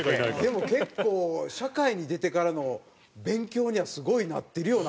でも結構社会に出てからの勉強にはすごいなってるよな